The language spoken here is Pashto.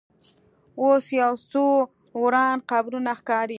اوس یو څو وران قبرونه ښکاري.